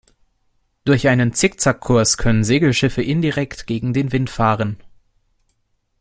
Durch einen Zickzack-Kurs können Segelschiffe indirekt gegen den Wind fahren.